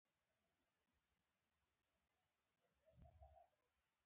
بشر له موجودو شیانو څخه استفاده کوي.